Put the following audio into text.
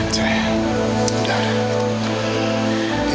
itu kan cuma mimpi